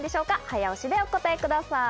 早押しでお答えください。